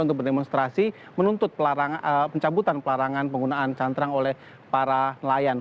untuk berdemonstrasi menuntut pencabutan pelarangan penggunaan cantrang oleh para nelayan